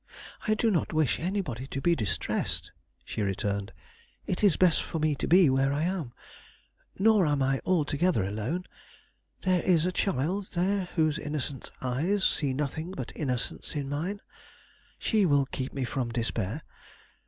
"I do not wish anybody to be distressed," she returned. "It is best for me to be where I am. Nor am I altogether alone. There is a child there whose innocent eyes see nothing but innocence in mine. She will keep me from despair.